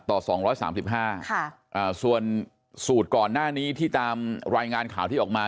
อ่าต่อสองร้อยสามสิบห้าค่ะอ่าส่วนสูตรก่อนหน้านี้ที่ตามรายงานข่าวที่ออกมา